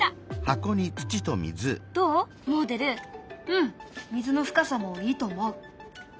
うん水の深さもいいと思う。